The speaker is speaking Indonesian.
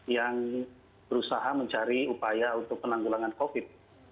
yang berusaha mencari upaya untuk penanggulangan covid